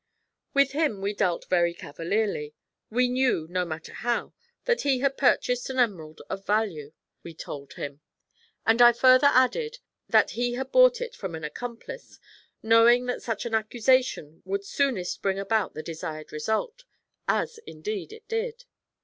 With him we dealt very cavalierly. We knew, no matter how, that he had purchased an emerald of value, we told him; and I further added that he had bought it from an accomplice, knowing that such an accusation would soonest bring about the desired result, as indeed it did.